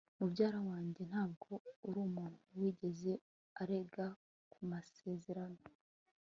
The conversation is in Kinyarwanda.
mubyara wanjye ntabwo arumuntu wigeze arenga ku masezerano